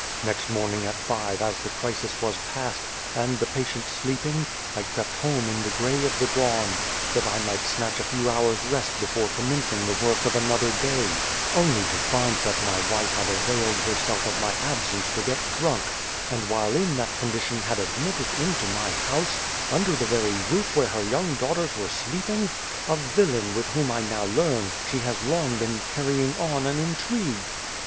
Next morning at five, as the crisis was past, and the patient sleeping, I crept home in the grey of the dawn that I might snatch a few hours' rest before commencing the work of another day, 114 Beyond the Door only to find that my wife had availed herself of my absence to get drunk, and while in that condition had admitted into my house, under the very roof where her young daughters were sleeping, a villain with whom I now learn she has long been carrying on an intrigue.